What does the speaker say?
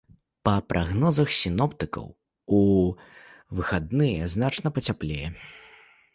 Па прагнозах сіноптыкаў, у выхадныя значна пацяплее.